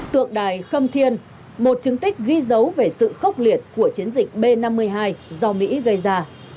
tượng đài khâm thiên một chứng tích ghi dấu về sự khốc liệt của chiến dịch b năm mươi hai do mỹ gây ra